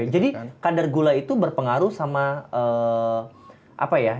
jadi kadar gula itu berpengaruh sama apa ya